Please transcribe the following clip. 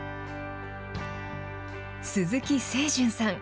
鈴木清順さん。